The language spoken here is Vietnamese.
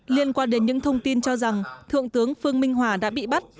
liên quan đến những thông tin cho rằng thượng tướng phương minh hòa đã bị bắt